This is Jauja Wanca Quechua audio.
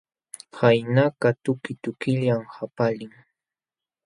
Waynakaq tuki tukillam qapalin.